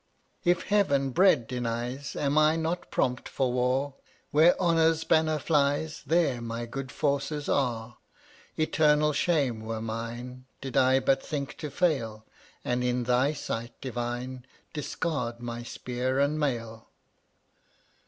147 If Heaven bread denies Am I not prompt for war? Where Honor's banner flies There my good forces are. Eternal shame were mine Did I but think to fail, And in Thy sight divine Discard my spear and mail.